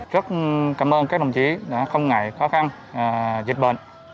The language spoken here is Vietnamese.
rất cảm ơn các đồng chí đã không ngại khó khăn dịch bệnh